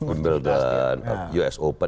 umbel dan us open